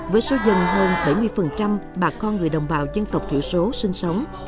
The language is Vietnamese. với số dân hơn bảy mươi bà con người đồng bào dân tộc thiểu số sinh sống